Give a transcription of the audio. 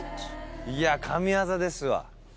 いや、神技ですわ。